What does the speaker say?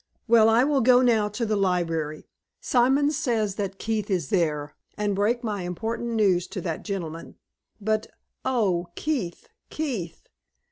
Well, I will go now to the library Simons says that Keith is there and break my important news to that gentleman. But oh! Keith! Keith!"